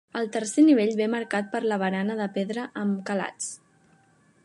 El tercer nivell ve marcat per la barana de pedra amb calats.